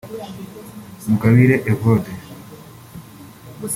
Mugabire Evode